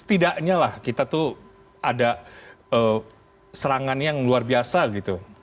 setidaknya lah kita tuh ada serangan yang luar biasa gitu